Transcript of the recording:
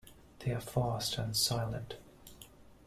They are fast and silent.